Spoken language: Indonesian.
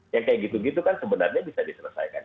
yang kayak gitu gitu kan sebenarnya bisa diselesaikan